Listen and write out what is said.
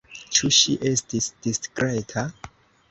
Ĉu ŝi estis diskreta?